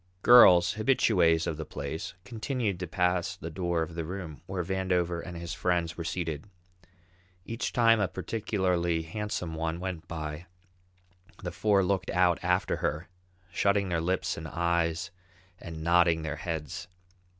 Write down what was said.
Girls, habitués of the place, continued to pass the door of the room where Vandover and his friends were seated. Each time a particularly handsome one went by, the four looked out after her, shutting their lips and eyes and nodding their heads.